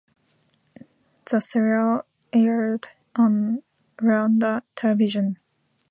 The serial aired on Rwanda Television.